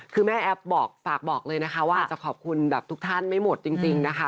คือแม่แอฟบอกฝากบอกเลยนะคะว่าอาจจะขอบคุณแบบทุกท่านไม่หมดจริงนะคะ